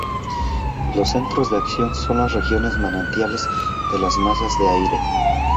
Los centros de acción son las regiones manantiales de las masas de aire.